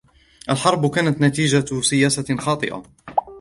الحرب كانت نتيجةُ سياسةٍ خاطئة.